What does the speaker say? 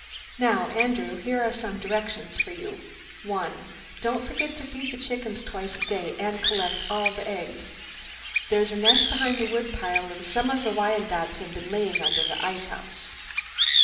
Now, Andrew, here are some directions for you: 1. Don't forget to feed the chickens twice a day, and collect all the eggs. There's a nest behind the wood pile, and some of the Wyandottes have been laying under the ice house.